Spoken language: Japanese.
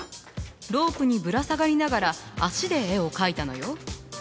ロープにぶら下がりながら足で絵を描いたのよ。